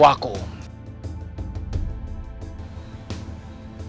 dan menikmati masa tuaku